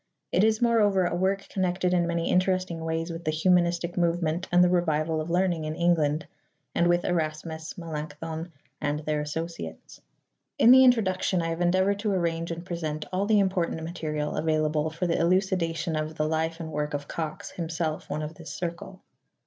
It is moreover a work connected in many interesting ways with the humanistic movement and the revival of learning in England, and with Erasmus, Melanchthon, and their associates. In the Introduction I have endeavored to arrange and present all the important material available for the elucidation of the life and work of Cox, himself one of this circle.